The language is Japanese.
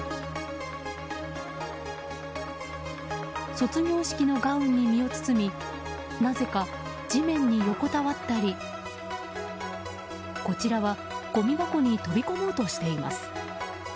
卒業式のガウンに身を包みなぜ地面に横たわったりこちらはごみ箱に飛び込もうとしています。